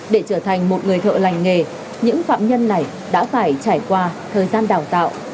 để trở thành một người thợ lành nghề những phạm nhân này đã phải trải qua thời gian đào tạo